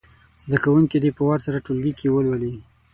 زده کوونکي دې په وار سره په ټولګي کې ولولي.